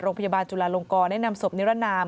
โรงพยาบาลจุลาลงกรแนะนำสบนิรนาม